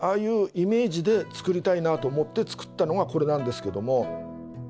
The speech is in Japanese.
イメージで作りたいなと思って作ったのがこれなんですけれども。